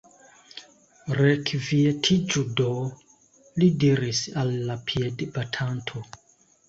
Rekvietiĝu do! li diris al la piedbatanto.